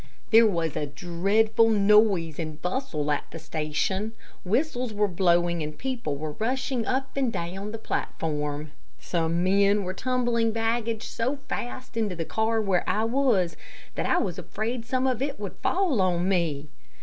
There was a dreadful noise and bustle at the station. Whistles were blowing and people were rushing up and down the platform. Some men were tumbling baggage so fast into the car where I was, that I was afraid some of it would fall on me.